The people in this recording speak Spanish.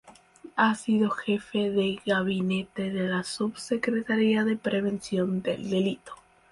Ha sido Jefe de Gabinete de la Subsecretaría de Prevención del Delito.